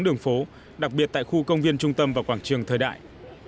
đường phố đặc biệt tại khu công viên trung tâm và quảng trường thời đại